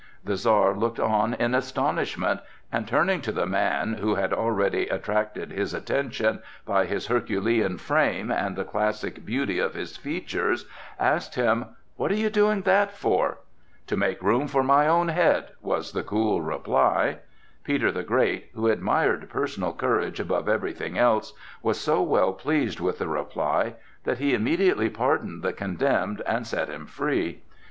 The Czar looked on in astonishment and turning to the man, who had already attracted his attention by his herculean frame and the classic beauty of his features, asked him: "What are you doing that for?" "To make room for my own head!" was the cool reply. Peter the Great, who admired personal courage above everything else, was so well pleased with the reply, that he immediately pardoned the condemned and set him free.